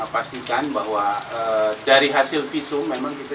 pastikan bahwa dari hasil visum memang kita